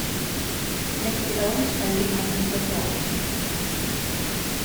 M'għedtilhomx ħalli ma tinkwetahomx!